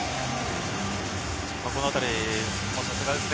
このあたりさすがですね。